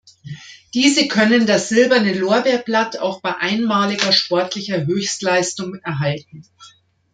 Diese können das Silberne Lorbeerblatt auch bei einmaliger sportlicher Höchstleistung erhalten.